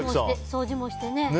掃除もしてね。